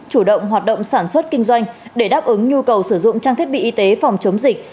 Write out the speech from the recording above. chủ động hoạt động sản xuất kinh doanh để đáp ứng nhu cầu sử dụng trang thiết bị y tế phòng chống dịch